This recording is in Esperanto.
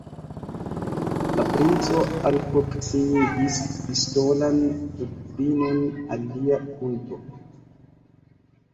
La princo alproksimigis pistolan tubfinon al lia frunto.